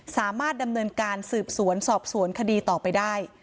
สามารถดำเนินการสืบสวนสอบสวนคดีต่อไปได้